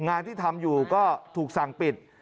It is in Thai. งานที่ทำอยู่ก็ถูกสั่งปิด